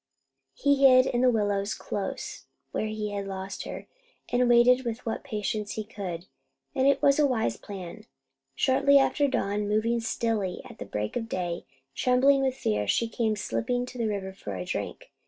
He hid in the willows close where he had lost her, and waited with what patience he could; and it was a wise plan. Shortly after dawn, moving stilly as the break of day, trembling with fear, she came slipping to the river for a drink.